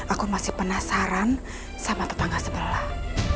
aku masih penasaran sama tetangga sebelah